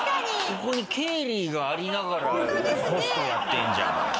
ここに経理がありながらホストやってんじゃん。